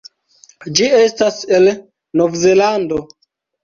Ĝi estas el Novzelando.